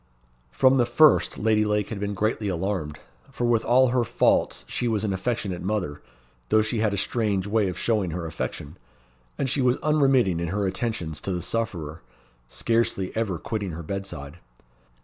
From the first Lady Lake had been greatly alarmed, for with all her faults she was an affectionate mother, though she had a strange way of showing her affection; and she was unremitting in her attentions to the sufferer, scarcely ever quitting her bedside.